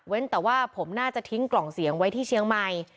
แต่ว่าผมน่าจะทิ้งกล่องเสียงไว้ที่เชียงใหม่